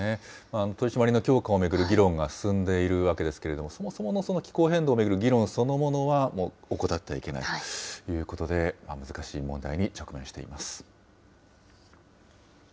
取締りの強化を巡る議論が進んでいるわけですけれども、そもそもの気候変動を巡る議論そのものは怠ってはいけないということで、難しい問題に直面しています。